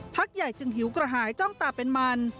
พักใหญ่จึงหิวกระหายจ้องตาเป็นมัน